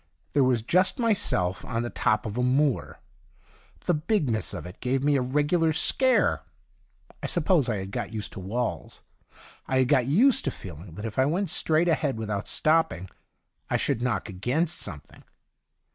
There was just myself on the top 14 THE DIARY OF A GOD of a moor ; the bigness of it gave me a regular scare. I suppose I had got used to walls : I had got used to feeling that if I went straight ahead without stopping I shoidd knock against something.